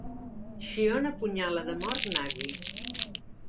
Xion apunyala de mort Nagi.